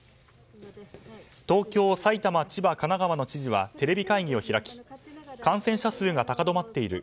東京、埼玉、千葉、神奈川の知事はテレビ会議を開き感染者数が高止まっている。